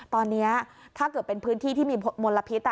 ตอนนี้ถ้าเกิดเป็นพื้นที่ที่มีมลพิษ